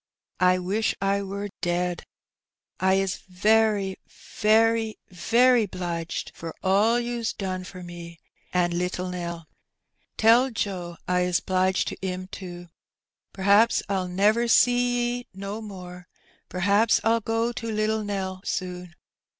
I wish I war ded. I is very, very, very 'bliged for ole you's don for me an' littel Nel ; tel Joe I is ^bliged to 'im to. PVaps PU never, see 'e no more, pVaps FU go to littel Nel soon.